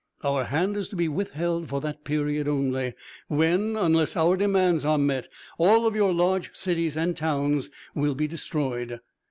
Our hand is to be withheld for that period only, when, unless our demands are met, all of your large cities and towns will be destroyed.